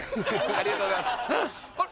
ありがとうございますあれ？